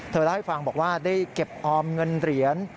เล่าให้ฟังบอกว่าได้เก็บออมเงินเหรียญ